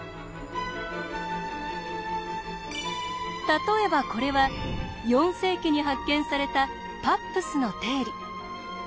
例えばこれは４世紀に発見された「パップスの定理」。